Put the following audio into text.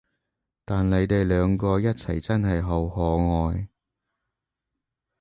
但你哋兩個一齊真係好可愛